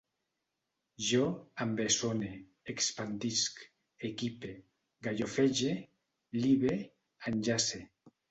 Jo embessone, expandisc, equipe, gallofege, libe, enllace